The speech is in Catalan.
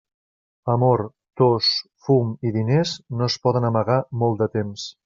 Amor, tos, fum i diners, no es poden amagar molt de temps.